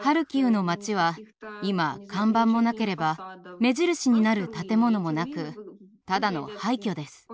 ハルキウの町は今看板もなければ目印になる建物もなくただの廃虚です。